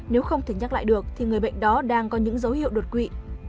nếu không thể nhắc lại được thì người bệnh đó đang có những dấu hiệu đột quỵ